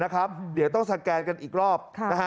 เดี๋ยวต้องสแกนกันอีกรอบ